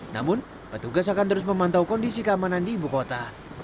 namun petugas akan terus memantau kondisi keamanan di ibu kota